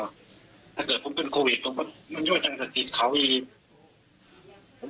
ถ้าเกิดผมเป็นโควิดมันยกจังสติศเขาอีก